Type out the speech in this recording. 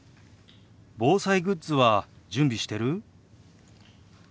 防災グッズは準備してる？